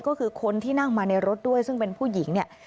ก็คือคนที่นั่งมาในรถด้วยซึ่งเป็นผู้หญิงเนี่ย